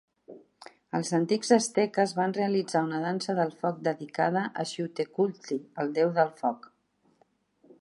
Els antics asteques van realitzar una dansa del foc dedicada a Xiuhtecuhtli, el déu del foc.